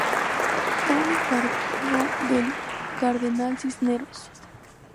Fue un encargo del cardenal Cisneros.